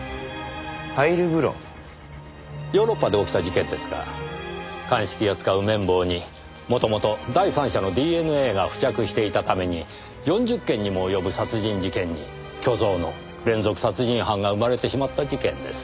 ヨーロッパで起きた事件ですが鑑識が使う綿棒にもともと第三者のＤＮＡが付着していたために４０件にも及ぶ殺人事件に虚像の連続殺人犯が生まれてしまった事件です。